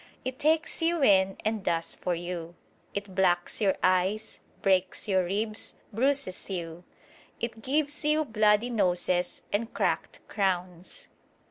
It takes you in and does for you. It blacks your eyes, breaks your ribs, bruises you. It gives you "bloody noses and cracked crowns."